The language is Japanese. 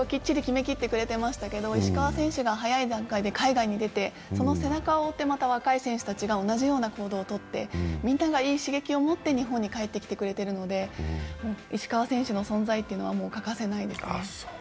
石川選手が早い段階で海外に出て、その背中を追ってまた若い選手たちが同じような行動を取って、みんながいい刺激を持って日本に帰ってきてくれてるので石川選手の存在というのは欠かせないですね。